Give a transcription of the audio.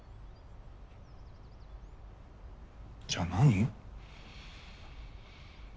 じゃあ何？